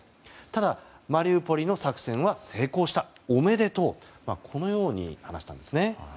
ただ、マリウポリの作戦は成功した、おめでとうとこのように話したんですね。